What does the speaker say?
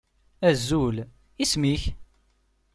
Azul, isem-ik?